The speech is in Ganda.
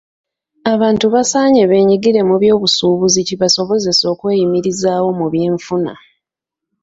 Abantu basaanye beenyigire mu by'obusuubuzi kibasobozese okweyimirizaawo mu by'enfuna.